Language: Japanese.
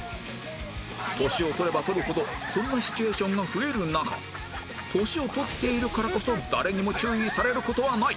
年を取れば取るほどそんなシチュエーションが増える中年を取っているからこそ誰にも注意される事はない！